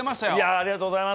ありがとうございます。